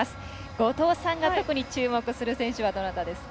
後藤さんが特に注目する選手はどなたですか？